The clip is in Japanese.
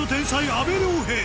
阿部亮平